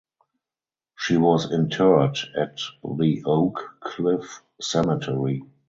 She was interred at the Oak Cliff Cemetery.